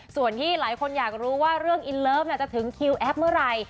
ส่วนที่หลายคนอยากรู้ว่าเรื่องอินเลิฟจะถึงคิวแอปเมื่อไหร่